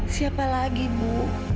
siapa lagi ibu